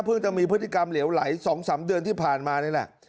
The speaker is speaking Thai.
จะมีพฤติกรรมเหลวไหล๒๓เดือนที่ผ่านมานี่แหละ